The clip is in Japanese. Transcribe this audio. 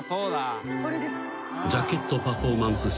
［ジャケットパフォーマンス史